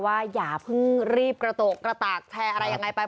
อย่าเพิ่งรีบกระโกระตากแชร์อะไรยังไงไป